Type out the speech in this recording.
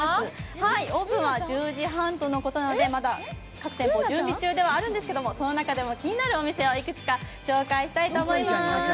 オープンは１０時半とのことなので、まだ各店準備中ではあるんですけれども、その中でもいくつか紹介したいと思います。